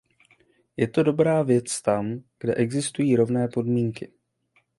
Je to dobrá věc tam, kde existují rovné podmínky.